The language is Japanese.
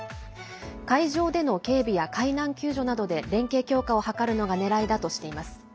海上での警備や海難救助などで連携強化を図るのがねらいだとしています。